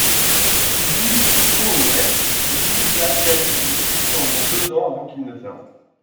Il joue du disco au Het Nijlpaardenhuis pendant deux ans avant qu'il ne ferme.